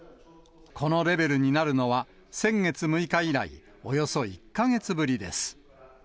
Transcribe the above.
このレベルになるのは先月６日以来、およそ１か月ぶりです。